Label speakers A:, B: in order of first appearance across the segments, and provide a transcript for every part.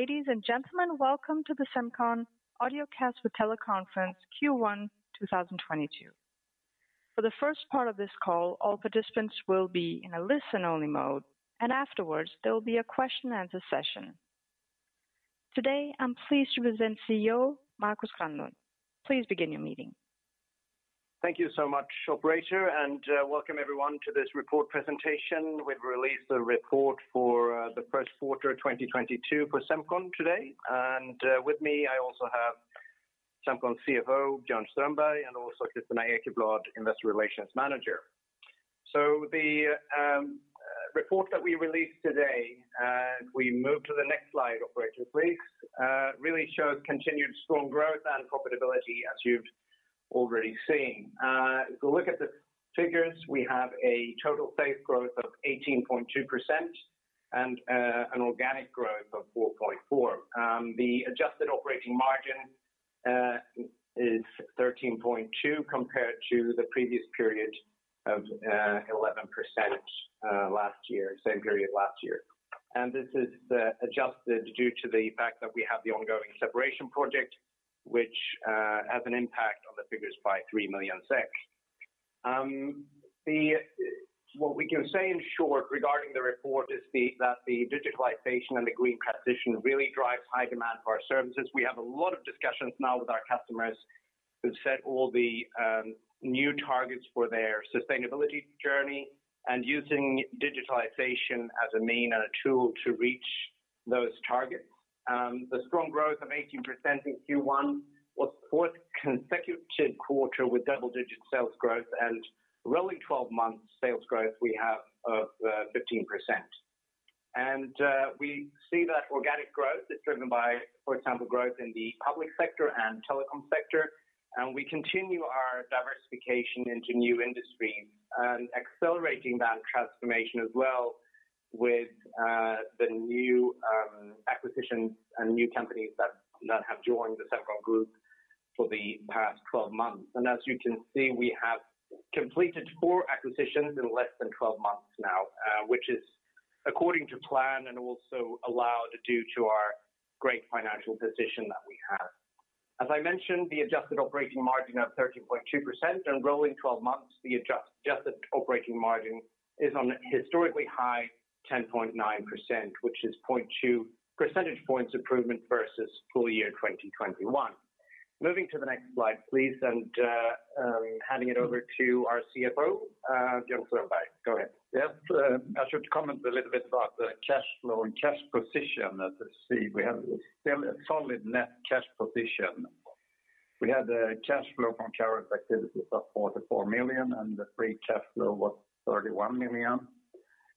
A: Ladies and gentlemen, welcome to the Semcon Audiocast for Teleconference Q1 2022. For the first part of this call, all participants will be in a listen-only mode, and afterwards, there will be a question and answer session. Today, I'm pleased to present CEO Markus Granlund. Please begin your meeting.
B: Thank you so much, operator, and welcome everyone to this report presentation. We've released the report for the Q1 of 2022 for Semcon today. With me, I also have Semcon CFO, Björn Strömberg, and also Kristina Ekeblad, Investor Relations Manager. The report that we released today, and we move to the next slide, operator, please. Really shows continued strong growth and profitability as you've already seen. If you look at the figures, we have a total sales growth of 18.2% and an organic growth of 4.4%. The adjusted operating margin is 13.2% compared to the previous period of 11% last year, same period last year. This is adjusted due to the fact that we have the ongoing separation project, which has an impact on the figures by 3 million. What we can say in short regarding the report is that the digitalization and the green transition really drives high demand for our services. We have a lot of discussions now with our customers who've set all the new targets for their sustainability journey and using digitalization as a means and a tool to reach those targets. The strong growth of 18% in Q1 was fourth consecutive quarter with double-digit sales growth and rolling 12 months sales growth we have of 15%. We see that organic growth is driven by, for example, growth in the public sector and telecom sector. We continue our diversification into new industry and accelerating that transformation as well with the new acquisitions and new companies that have joined the Semcon group for the past 12 months. As you can see, we have completed four acquisitions in less than 12 months now, which is according to plan and also allowed due to our great financial position that we have. As I mentioned, the adjusted operating margin of 13.2%. On rolling 12 months, the adjusted operating margin is on a historically high 10.9%, which is 0.2 percentage points improvement versus full year 2021. Moving to the next slide, please, and handing it over to our CFO, Björn Strömberg. Go ahead.
C: Yes. I should comment a little bit about the cash flow and cash position. As I see, we still have a solid net cash position. We had a cash flow from current activities of 44 million, and the free cash flow was 31 million.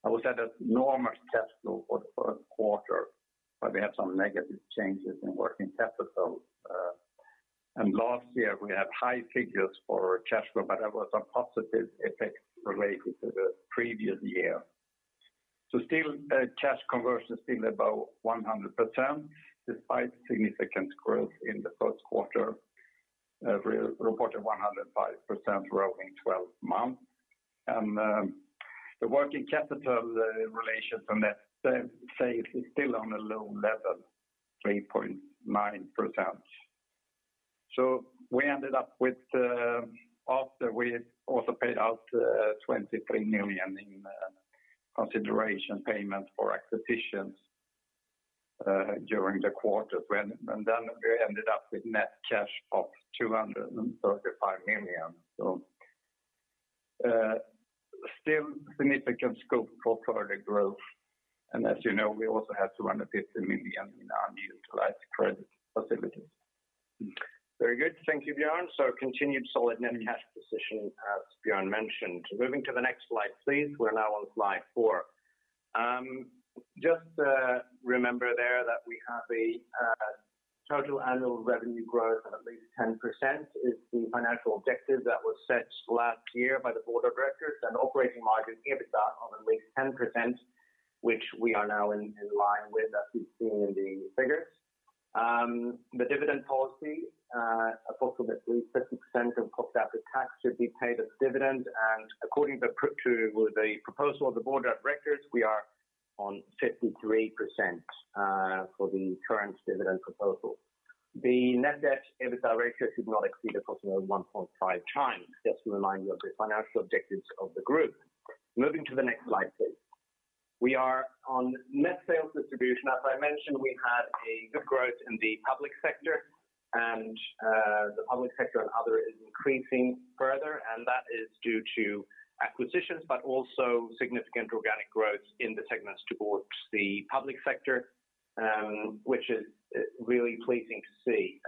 C: I would say that normal cash flow for the Q1, but we had some negative changes in working capital. Last year we had high figures for cash flow, but that was a positive effect related to the previous year. Cash conversion is still above 100% despite significant growth in the Q1. We reported 105% growth in twelve months. The working capital ratio on that side is still on a low level, 3.9%. We ended up with the After we had also paid out 23 million in consideration payment for acquisitions during the quarter and then we ended up with net cash of 235 million. Still significant scope for further growth. As you know, we also have 250 million in our utilized credit facilities.
B: Very good. Thank you, Björn. Continued solid net cash position, as Björn mentioned. Moving to the next slide, please. We're now on slide four. Remember there that we have a total annual revenue growth of at least 10% is the financial objective that was set last year by the board of directors. Operating margin EBITDA of at least 10%, which we are now in line with, as we've seen in the figures. The dividend policy, approximately 50% of profit after tax should be paid as dividend. According to the proposal of the board of directors, we are on 53% for the current dividend proposal. The net debt/EBITDA ratio should not exceed approximately 1.5 times, just to remind you of the financial objectives of the group. Moving to the next slide, please. We are on net sales distribution. As I mentioned, we had a good growth in the public sector and other is increasing further, and that is due to acquisitions, but also significant organic growth in the segments towards the public sector, which is really pleasing to see.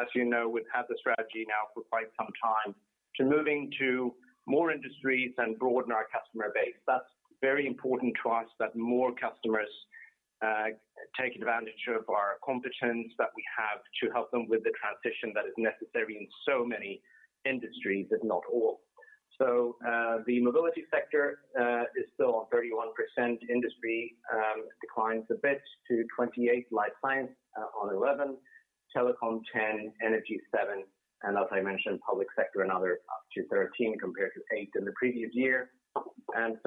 B: As you know, we've had the strategy now for quite some time to moving to more industries and broaden our customer base. That's very important to us that more customers take advantage of our competence that we have to help them with the transition that is necessary in so many industries, if not all. The mobility sector is still on 31%. Industry declines a bit to 28%. Life science on 11%. Telecom 10%, energy 7%, and as I mentioned, public sector and other up to 13% compared to 8% in the previous year.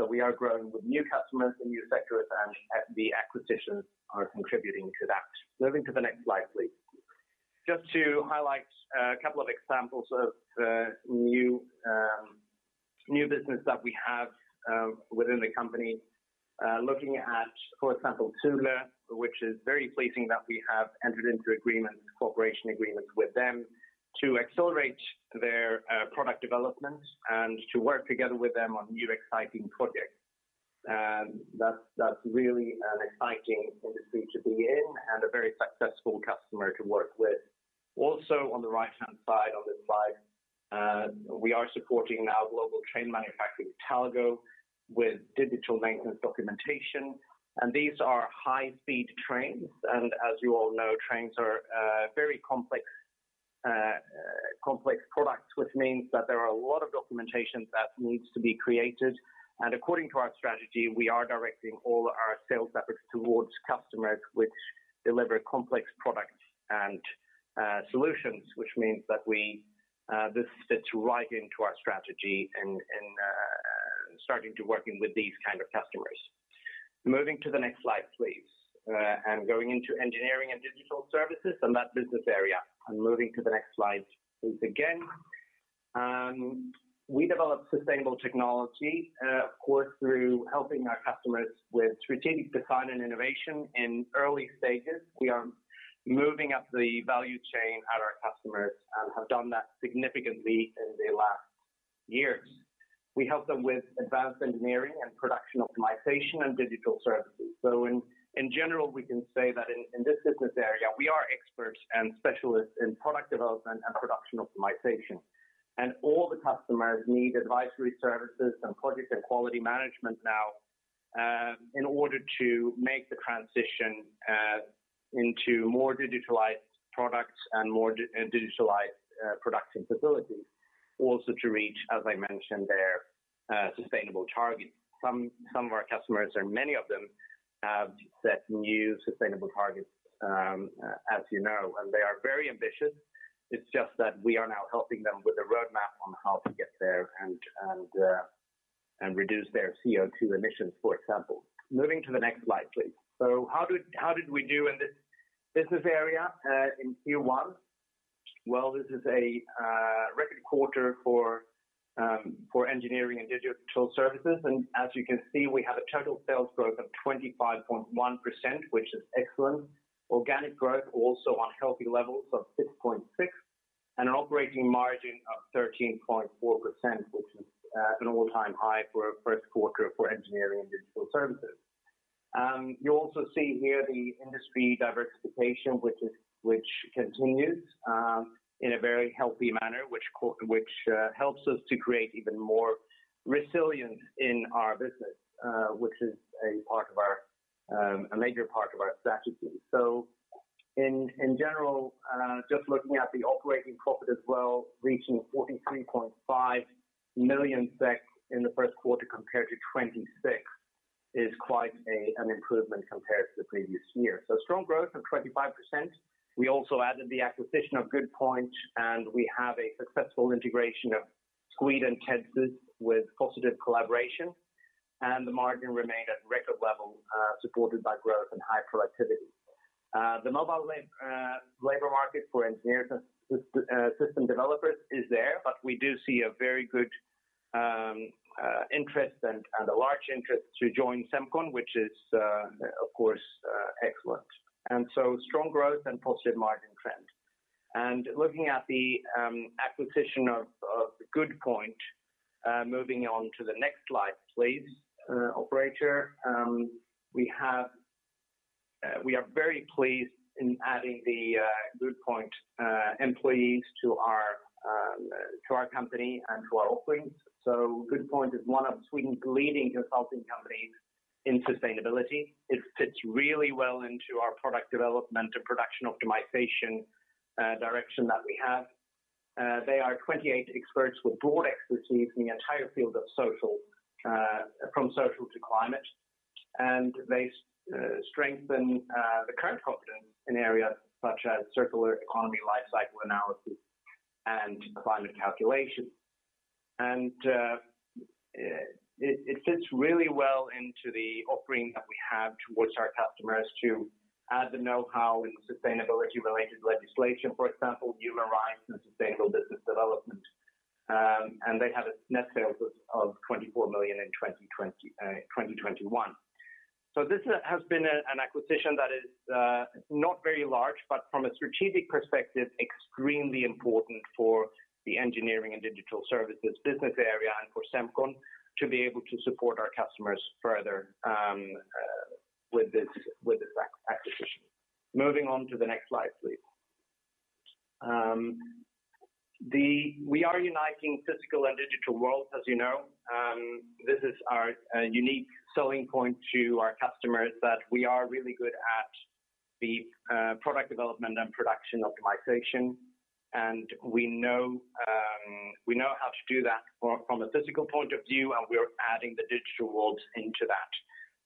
B: We are growing with new customers and new sectors, and the acquisitions are contributing to that. Moving to the next slide, please. Just to highlight a couple of examples of new business that we have within the company. Looking at, for example, Thule, which is very pleasing that we have entered into agreements, cooperation agreements with them to accelerate their product development and to work together with them on new exciting projects. That's really an exciting industry to be in and a very successful customer to work with. Also on the right-hand side on this slide, we are supporting now global train manufacturer Talgo with digital maintenance documentation, and these are high-speed trains. As you all know, trains are very complex products, which means that there are a lot of documentation that needs to be created. According to our strategy, we are directing all our sales efforts towards customers which deliver complex products and solutions, which means that this fits right into our strategy and starting to work with these kind of customers. Moving to the next slide, please. Going into Engineering and Digital Services and that business area. Moving to the next slide, please again. We develop sustainable technology, of course, through helping our customers with strategic design and innovation in early stages. We are moving up the value chain at our customers and have done that significantly in the last years. We help them with advanced engineering and production optimization and digital services. In general, we can say that in this business area, we are experts and specialists in product development and production optimization. All the customers need advisory services and project and quality management now in order to make the transition into more digitalized products and more digitalized production facilities. Also, to reach, as I mentioned, their sustainable targets. Some of our customers or many of them have set new sustainable targets, as you know, and they are very ambitious. It's just that we are now helping them with a roadmap on how to get there and reduce their CO2 emissions, for example. Moving to the next slide, please. How did we do in this business area in Q1? This is a record quarter for Engineering & Digital Services. As you can see, we have a total sales growth of 25.1%, which is excellent. Organic growth also on healthy levels of 6.6%, and an operating margin of 13.4%, which is an all-time high for a Q1 for Engineering & Digital Services. You also see here the industry diversification, which continues in a very healthy manner, which helps us to create even more resilience in our business, which is a major part of our strategy. In general, just looking at the operating profit as well, reaching 43.5 million in the Q1 compared to 26 million is quite an improvement compared to the previous year. Strong growth of 25%. We also added the acquisition of Goodpoint, and we have a successful integration of Squeed and Tedsys with positive collaboration, and the margin remained at record level, supported by growth and high productivity. The labor market for engineers, system developers is there, but we do see a very good interest and a large interest to join Semcon, which is, of course, excellent. Strong growth and positive margin trend. Looking at the acquisition of Goodpoint. Moving on to the next slide, please, operator. We are very pleased in adding the Goodpoint employees to our company and to our offerings. Goodpoint is one of Sweden's leading consulting companies in sustainability. It fits really well into our product development and production optimization direction that we have. They are 28 experts with broad expertise in the entire field of sustainability, from social to climate. They strengthen the current competence in areas such as circular economy, life cycle analysis, and climate calculation. It fits really well into the offering that we have towards our customers to add the know-how in sustainability related legislation, for example, human rights and sustainable business development. They had net sales of 24 million in 2021. This has been an acquisition that is not very large, but from a strategic perspective, extremely important for the Engineering and Digital Services business area and for Semcon to be able to support our customers further with this acquisition. Moving on to the next slide, please. We are uniting physical and digital worlds, as you know. This is our unique selling point to our customers that we are really good at the product development and production optimization. We know how to do that from a physical point of view, and we're adding the digital world into that.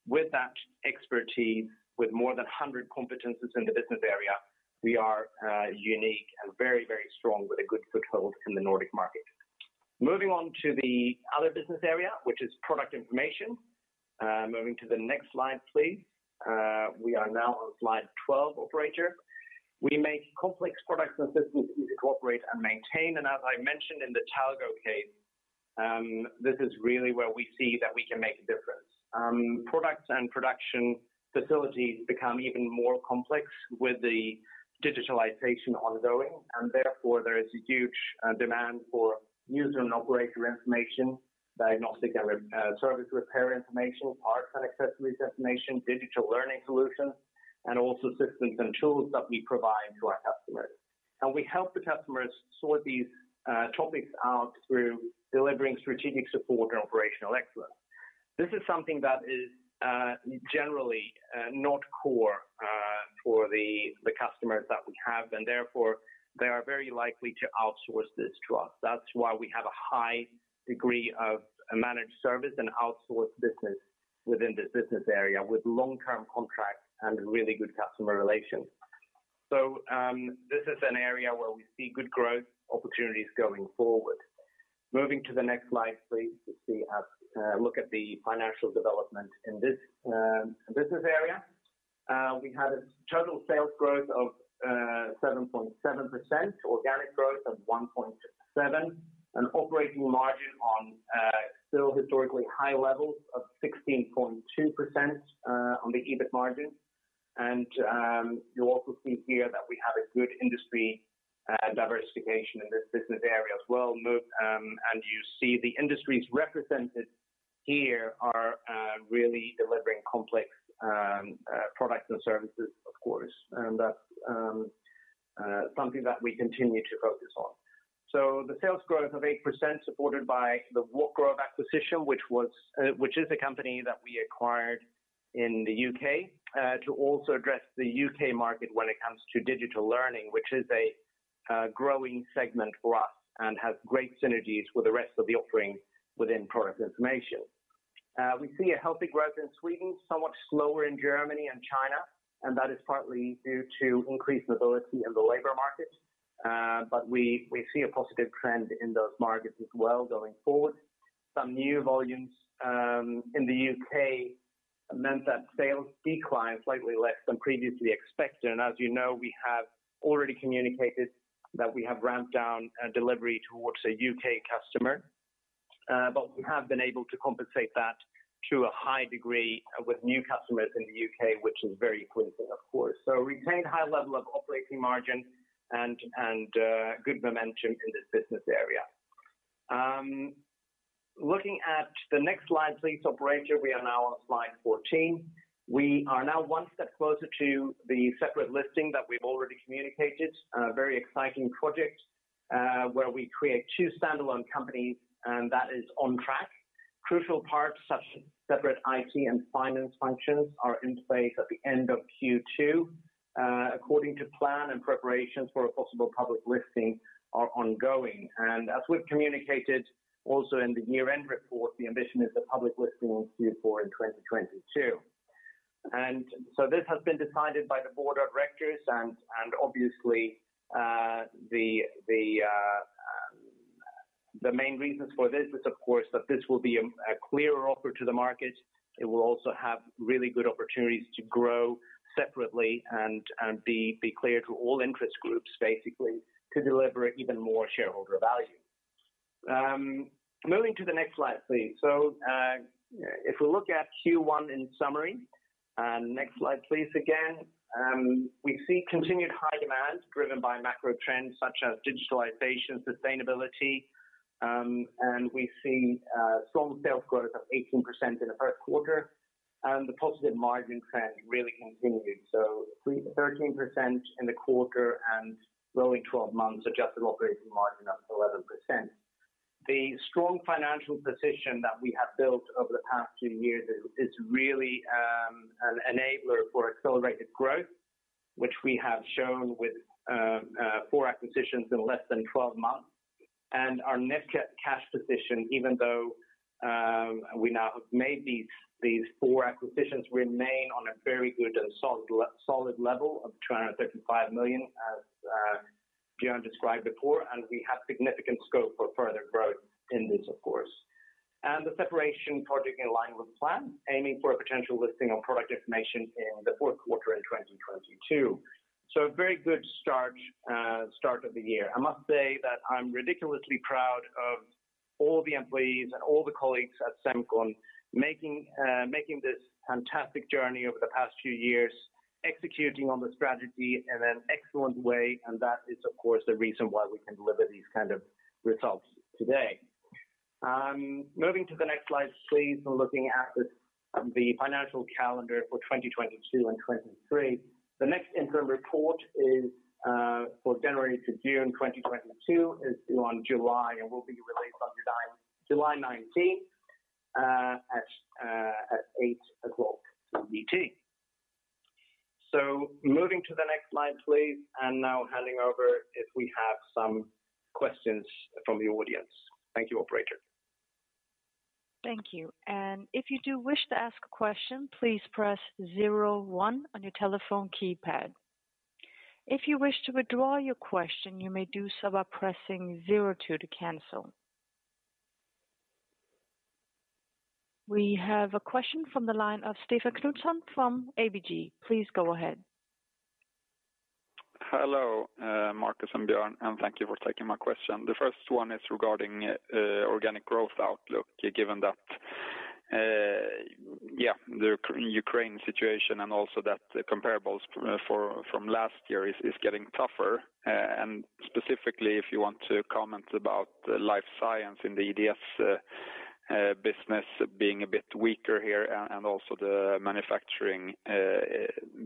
B: With that expertise, with more than 100 competences in the business area, we are unique and very, very strong with a good foothold in the Nordic market. Moving on to the other business area, which is Product Information. Moving to the next slide, please. We are now on slide 12, operator. We make complex products and systems easy to operate and maintain. As I mentioned in the Talgo case, this is really where we see that we can make a difference. Products and production facilities become even more complex with the digitalization ongoing, and therefore there is a huge demand for user and operator information, diagnostic and service repair information, parts and accessories information, digital learning solutions, and also systems and tools that we provide to our customers. We help the customers sort these topics out through delivering strategic support and operational excellence. This is something that is generally not core for the customers that we have, and therefore they are very likely to outsource this to us. That's why we have a high degree of managed service and outsourced business within this business area, with long-term contracts and really good customer relations. This is an area where we see good growth opportunities going forward. Moving to the next slide, please, to look at the financial development in this business area. We had a total sales growth of 7.7%, organic growth of 1.7%, an operating margin on still historically high levels of 16.2% on the EBIT margin. You also see here that we have a good industry diversification in this business area as well. You see the industries represented here are really delivering complex products and services, of course, and that's something that we continue to focus on. The sales growth of 8% supported by the Walkgrove acquisition, which is a company that we acquired in the U.K., to also address the U.K. market when it comes to digital learning, which is a growing segment for us and has great synergies with the rest of the offering within Product Information. We see a healthy growth in Sweden, somewhat slower in Germany and China, and that is partly due to increased mobility in the labor market. We see a positive trend in those markets as well going forward. Some new volumes in the U.K. meant that sales declined slightly less than previously expected. As you know, we have already communicated that we have ramped down a delivery towards a UK customer. But we have been able to compensate that to a high degree with new customers in the UK, which is very pleasing, of course. We retained a high level of operating margin and good momentum in this business area. Looking at the next slide, please, operator. We are now on slide 14. We are now one step closer to the separate listing that we've already communicated. A very exciting project where we create two standalone companies, and that is on track. Crucial parts, such separate IT and finance functions, are in place at the end of Q2 according to plan, and preparations for a possible public listing are ongoing. As we've communicated also in the year-end report, the ambition is that public listing will see before in 2022. This has been decided by the board of directors and obviously the main reasons for this is, of course, that this will be a clearer offer to the market. It will also have really good opportunities to grow separately and be clear to all interest groups, basically, to deliver even more shareholder value. Moving to the next slide, please. If we look at Q1 in summary, next slide, please, again. We see continued high demand driven by macro trends such as digitalization, sustainability, and we see strong sales growth of 18% in the Q1. The positive margin trend really continued. 13% in the quarter and rolling 12 months, adjusted operating margin up 11%. The strong financial position that we have built over the past two years is really an enabler for accelerated growth, which we have shown with four acquisitions in less than 12 months. Our net cash position, even though we now have made these four acquisitions, remains on a very good and solid level of 235 million, as Björn described before, and we have significant scope for further growth in this, of course. The separation project is in line with plan, aiming for a potential listing of Product Information in the Q4 in 2022. A very good start of the year. I must say that I'm ridiculously proud of all the employees and all the colleagues at Semcon making this fantastic journey over the past few years, executing on the strategy in an excellent way. That is, of course, the reason why we can deliver these kind of results today. Moving to the next slide, please. We're looking at the financial calendar for 2022 and 2023. The next interim report is for January to June 2022 is due on July and will be released on July nineteenth at 8:00 A.M. CET. Moving to the next slide, please, and now handing over if we have some questions from the audience. Thank you, operator.
A: Thank you. If you do wish to ask a question, please press zero one on your telephone keypad. If you wish to withdraw your question, you may do so by pressing zero two to cancel. We have a question from the line of Stefan Knutsson from ABG. Please go ahead.
D: Hello, Markus and Björn, and thank you for taking my question. The first one is regarding organic growth outlook, given that, yeah, the Ukraine situation and also that the comparables from last year is getting tougher. Specifically, if you want to comment about the life science in the EDS business being a bit weaker here and also the manufacturing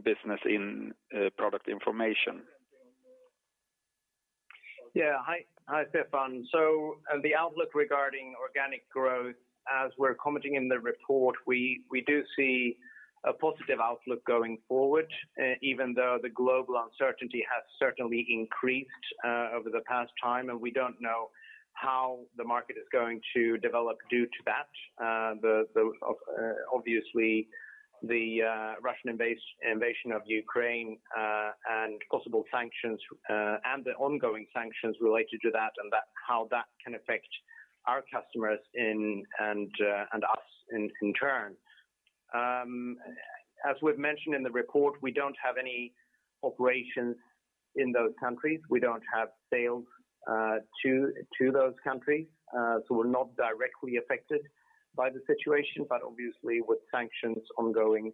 D: business in Product Information.
B: Yeah. Hi, Stefan. The outlook regarding organic growth, as we're commenting in the report, we do see a positive outlook going forward, even though the global uncertainty has certainly increased over the past time, and we don't know how the market is going to develop due to that. Obviously, the Russian invasion of Ukraine, and possible sanctions, and the ongoing sanctions related to that and how that can affect our customers and us in turn. As we've mentioned in the report, we don't have any operations in those countries. We don't have sales to those countries, so we're not directly affected by the situation. Obviously, with sanctions ongoing,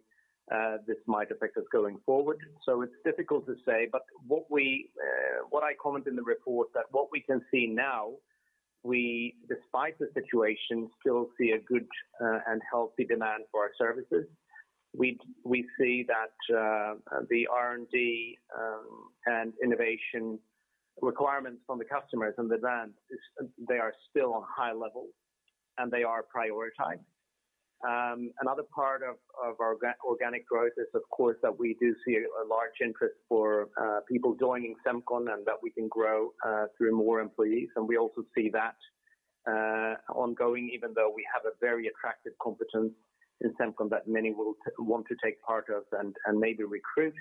B: this might affect us going forward. It's difficult to say. What I comment in the report, that what we can see now, we, despite the situation, still see a good and healthy demand for our services. We see that the R&D and innovation requirements from the customers and the demand is they are still on high levels, and they are prioritized. Another part of our organic growth is, of course, that we do see a large interest for people joining Semcon and that we can grow through more employees. We also see that ongoing, even though we have a very attractive competence in Semcon that many will want to take part of and maybe recruit.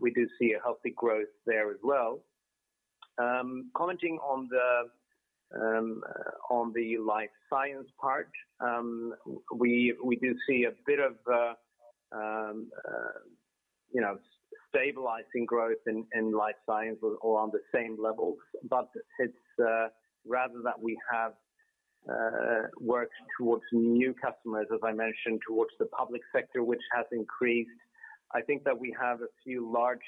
B: We do see a healthy growth there as well. Commenting on the life science part, we do see a bit of, you know, stabilizing growth in life science or on the same levels. It's rather that we have worked towards new customers, as I mentioned, towards the public sector, which has increased. I know that we have a few large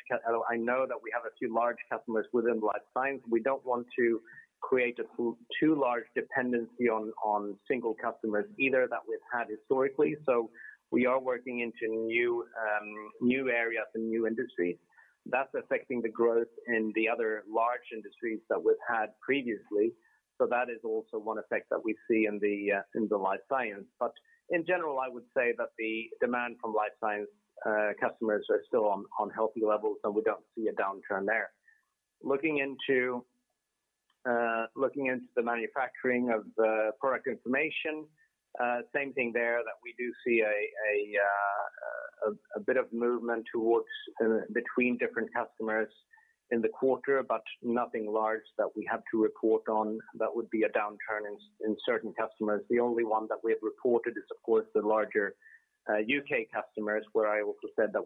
B: customers within life science. We don't want to create a too large dependency on single customers either that we've had historically. We are working into new areas and new industries. That's affecting the growth in the other large industries that we've had previously. That is also one effect that we see in the life science. In general, I would say that the demand from life science customers are still on healthy levels, and we don't see a downturn there. Looking into the manufacturing of Product Information, same thing there that we do see a bit of movement between different customers in the quarter, but nothing large that we have to report on that would be a downturn in certain customers. The only one that we have reported is, of course, the larger U.K. customers, where I also said that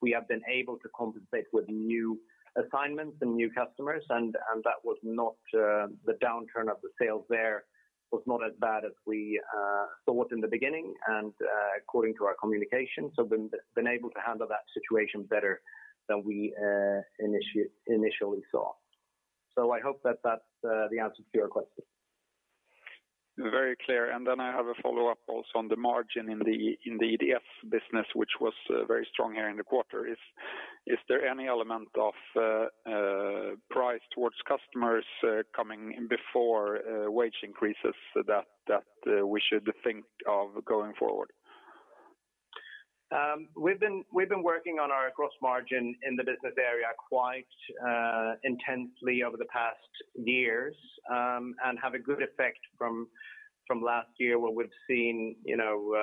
B: we have been able to compensate with new assignments and new customers. That was not the downturn of the sales there was not as bad as we thought in the beginning and according to our communication. Been able to handle that situation better than we initially saw. I hope that that's the answer to your question.
D: Very clear. Then I have a follow-up also on the margin in the EDS business, which was very strong here in the quarter. Is there any element of price toward customers coming in before wage increases that we should think of going forward?
B: We've been working on our gross margin in the business area quite intensely over the past years and have a good effect from last year, where we've seen, you know,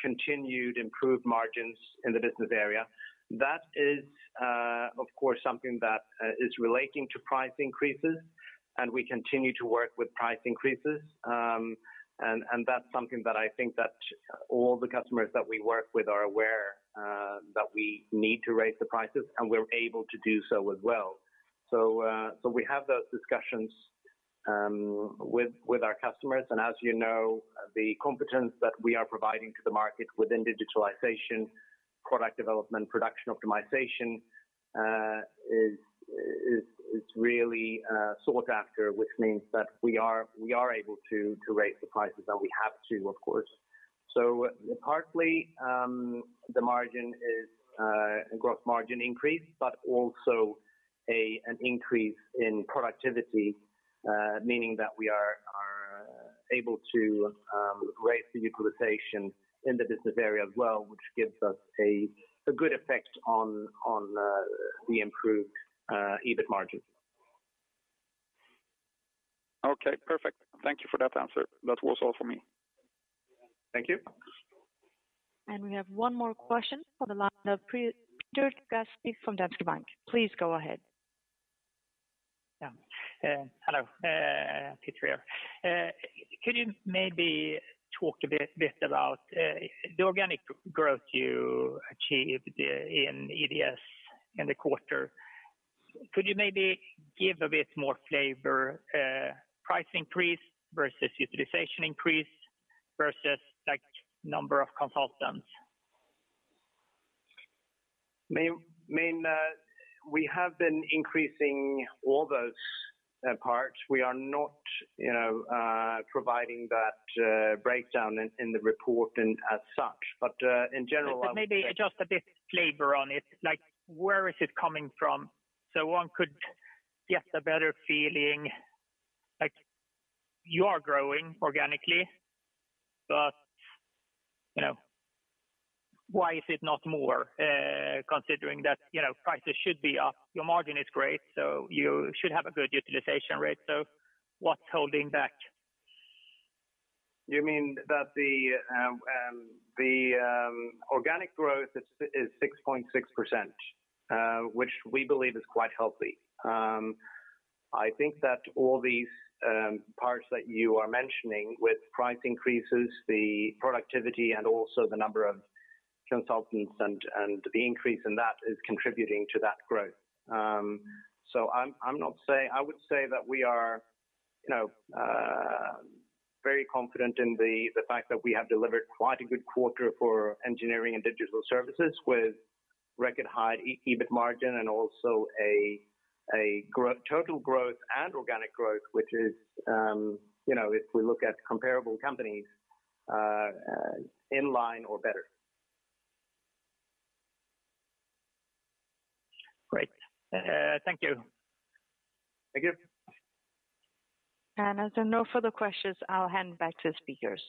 B: continued improved margins in the business area. That is, of course, something that is relating to price increases, and we continue to work with price increases. That's something that I think that all the customers that we work with are aware that we need to raise the prices, and we're able to do so as well. We have those discussions with our customers. As you know, the competence that we are providing to the market within digitalization, product development, production optimization is really sought after, which means that we are able to raise the prices that we have, too, of course. Partly, the margin is a gross margin increase, but also an increase in productivity, meaning that we are able to raise the utilization in the business area as well, which gives us a good effect on the improved EBIT margin.
D: Okay, perfect. Thank you for that answer. That was all for me.
B: Thank you.
A: We have one more question for the line of Peter. Gästrin from Danske Bank. Please go ahead.
E: Hello, Peter here. Could you maybe talk a bit about the organic growth you achieved in EDS in the quarter? Could you maybe give a bit more flavor, price increase versus utilization increase versus like number of consultants?
B: I mean, we have been increasing all those parts. We are not, you know, providing that breakdown in the report and as such. In general-
E: Maybe just a bit flavor on it, like where is it coming from so one could get a better feeling like you are growing organically, but, you know, why is it not more, considering that, you know, prices should be up? Your margin is great, so you should have a good utilization rate. What's holding back?
B: You mean that the organic growth is 6.6%, which we believe is quite healthy. I think that all these parts that you are mentioning with price increases, the productivity and also the number of consultants and the increase in that is contributing to that growth. I'm not saying. I would say that we are, you know, very confident in the fact that we have delivered quite a good quarter for Engineering & Digital Services with record high EBIT margin and also total growth and organic growth, which is, you know, if we look at comparable companies, in line or better.
E: Great. Thank you.
B: Thank you.
A: As there are no further questions, I'll hand back to speakers.